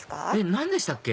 何でしたっけ？